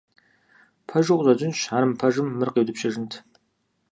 Пэжу къыщӀэкӀынщ, ар мыпэжым мыр къиутӀыпщыжынт?